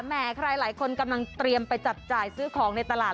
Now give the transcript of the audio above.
ใครหลายคนกำลังเตรียมไปจับจ่ายซื้อของในตลาด